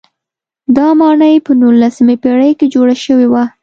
دا ماڼۍ په نولسمې پېړۍ کې جوړه شوې وه.